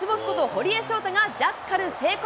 堀江翔太がジャッカル成功。